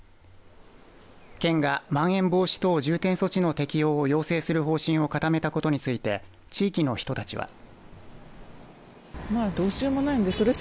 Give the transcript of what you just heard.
県がまん延防止等重点措置の適用を要請する方針を固めたことについて地域の人たちは。